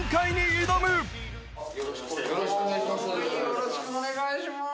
よろしくお願いします。